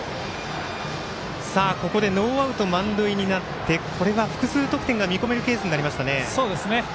ここでノーアウト満塁になってこれは複数得点が見込めるケースになりましたね。